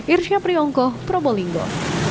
irsyapri ongkoh probolinggo